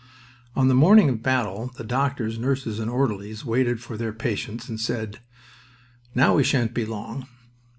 On the morning of battle the doctors, nurses, and orderlies waited for their patients and said, "Now we shan't be long!"